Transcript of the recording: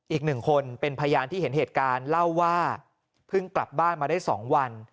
อีกหนึ่งคนเป็นพยานที่เห็นเหตุการณ์เล่าว่าเพิ่งกลับบ้านมาได้๒วัน